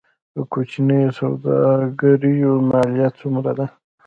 د کوچنیو سوداګریو مالیه څومره ده؟